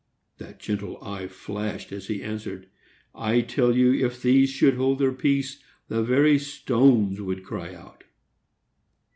That gentle eye flashed as he answered, "I TELL YOU, IF THESE SHOULD HOLD THEIR PEACE, THE VERY STONES WOULD CRY OUT."